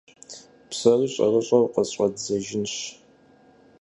Псори щӀэрыщӀэу къыщӀэддзэжынщ…